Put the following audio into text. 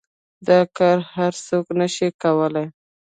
دا كار هر سوك نشي كولاى.